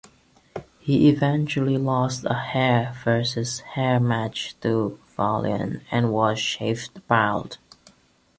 He eventually lost a hair versus hair match to Valiant and was shaved bald.